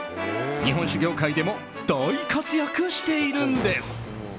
日本酒業界でも大活躍しているんです。